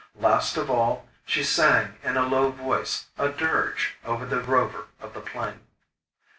Last of all, she sang in a low voice a dirge over the Rover of the Plain.